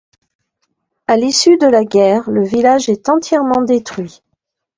À l'issue de la guerre, le village est entièrement détruit.